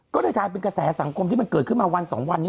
ก็เลยกลายเป็นกระแสสังคมที่มันเกิดขึ้นมาวัน๒วันนี้